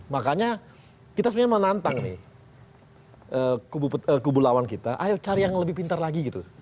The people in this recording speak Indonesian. makanya kita sebenarnya menantang nih kubu lawan kita ayo cari yang lebih pintar lagi gitu